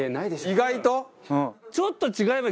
意外と？